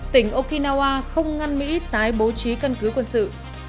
tỉnh okinawa không ngăn mỹ tái bố trí căn cứ quân sự